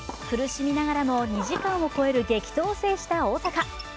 苦しみながらも、２時間を超える激闘を制した大坂。